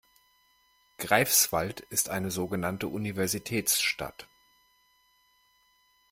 Greifswald ist eine so genannte Universitätsstadt.